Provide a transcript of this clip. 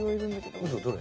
どれ？